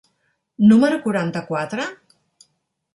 número quaranta-quatre?